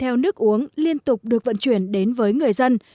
heo nước uống liên tục được vận chuyển đến với người dân